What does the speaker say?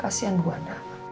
kasian bu wanda